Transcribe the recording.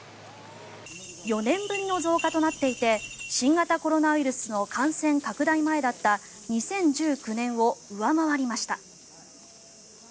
４年ぶりの増加となっていて新型コロナウイルスの感染拡大前だった２０１９年を上回りました。